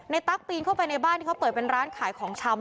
ตั๊กปีนเข้าไปในบ้านที่เขาเปิดเป็นร้านขายของชำ